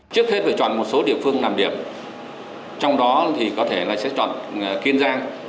trước hết phải chọn một số địa phương làm điểm trong đó thì có thể là sẽ chọn kiên giang